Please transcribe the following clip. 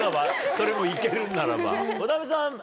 それも行けるならば。